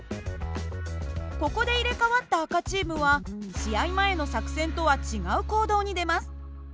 ここで入れ替わった赤チームは試合前の作戦とは違う行動に出ます。